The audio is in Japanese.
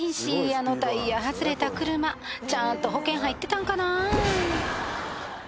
あのタイヤ外れた車ちゃんと保険入ってたんかな？